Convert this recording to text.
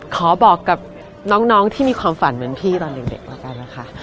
ขอบอกกับน้องที่มีความฝันเหมือนพี่ตอนเด็กแล้วกันนะคะ